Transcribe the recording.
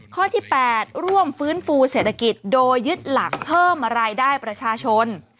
ข้อที่๘ร่วมฟื้นฟูเศรษฐกิจโดยยึดหลักเพิ่มรายได้ประชาชน